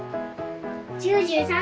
９３！